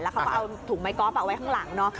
และเขาเอาถุงไมค์กอล์ฟเอาไว้ข้างหลัง